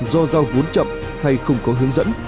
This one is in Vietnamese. do giao vốn chậm hay không có hướng dẫn